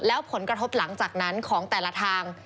แล้วผลกระทบหลังจากนั้นของแต่ละทาง